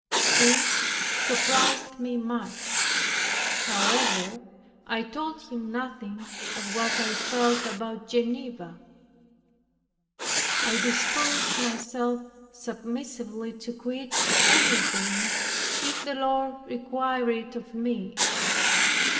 This surprised me much. However, I told him nothing of what I felt about Geneva. I disposed myself submissively to quit everything, if the Lord required it of me.